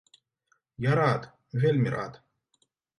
Я рад, вельмі рад.